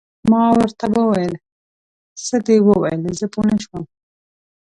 ما ورته وویل: څه دې وویل؟ زه پوه نه شوم.